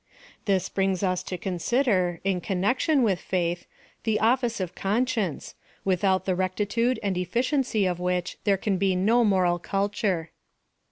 This brings us to consider, in con nection with Faith, the office of Conscience, with out the rectitude and efficiency of which there can be no moral culture.